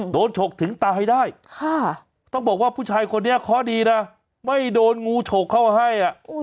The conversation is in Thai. ฉกถึงตายได้ต้องบอกว่าผู้ชายคนนี้เคาะดีนะไม่โดนงูฉกเข้าให้